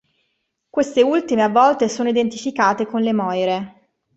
Queste ultime a volte sono identificate con le Moire.